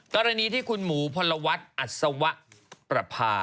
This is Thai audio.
ตอนนี้ที่คุณหมูพลวัฒน์อัศวะปรภา